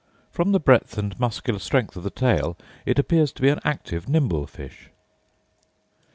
From the breadth and muscular strength of the tail, it appears to be an active nimble fish.